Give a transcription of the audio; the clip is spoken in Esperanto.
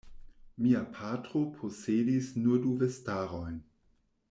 Mia patro posedis nur du vestarojn.